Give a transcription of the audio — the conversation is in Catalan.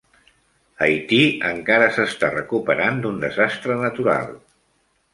Haití encara s'està recuperant d'un desastre natural.